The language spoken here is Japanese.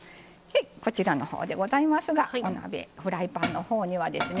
こちらのほうでございますがお鍋フライパンのほうにはですね